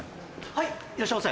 はいいらっしゃいませ。